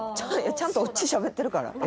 ちゃんとオチしゃべってるから？